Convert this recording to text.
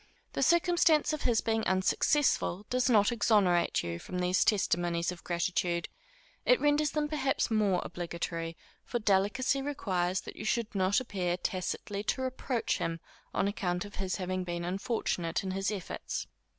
The circumstance of his being unsuccessful does not exonerate you from these testimonies of gratitude; it renders them perhaps more obligatory, for delicacy requires that you should not appear tacitly to reproach him on account of his having been unfortunate in his efforts.